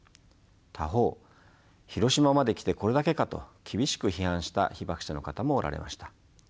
他方「広島まで来てこれだけか」と厳しく批判した被爆者の方もおられました。